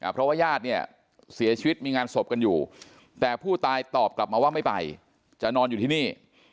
เพราะว่าญาติเนี่ยเสียชีวิตมีงานศพกันอยู่แต่ผู้ตายตอบกลับมาว่าไม่ไปจะนอนอยู่ที่นี่